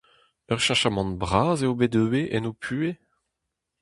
Ur cheñchamant bras eo bet ivez en ho puhez ?